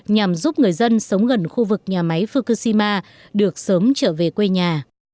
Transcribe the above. nhằm giúp người dân sống gần khu vực nhà máy fukushima được sớm trở về quê nhà